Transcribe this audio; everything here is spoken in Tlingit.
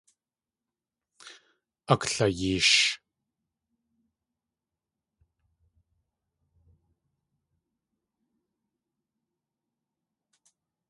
Akla.eesh.